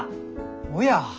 おや。